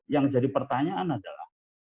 yang jadi pertanyaan adalah